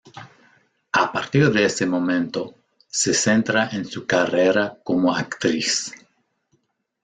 A partir de ese momento, se centra en su carrera como actriz.